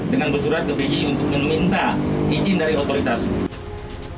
dengan bersurat ke bi untuk meminta izin dari otoritas